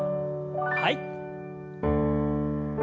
はい。